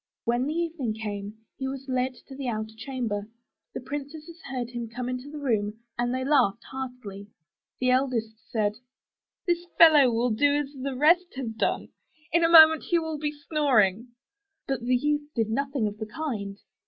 When the evening came he was led to the outer chamber. The princesses heard him come into the room and they laughed heartily. The eldest said, *This fellow will do as the rest have done. In a moment he will be snoring !'' But the youth did nothing of the kind.